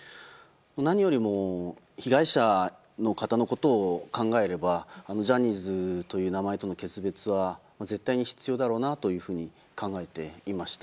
何よりも被害者の方のことを考えればジャニーズという名前との決別は絶対に必要だろうなと考えていました。